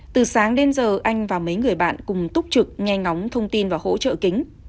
từ sáng đến giờ anh và mấy người bạn cùng túc trực nghe ngóng thông tin và hỗ trợ kính